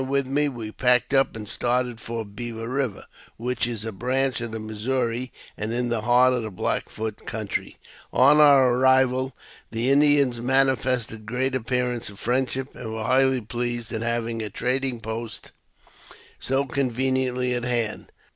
with me, we packed up and started for Beaver Eiver, which is a branch of the Missouri, and in the heart of the Black Foot country. On our arrival, the Indians manifested great appearance of friendship, and were highly pleased at having a trading posfc JAMES P. BECKWOVBTH. Ill so conveniently at hand.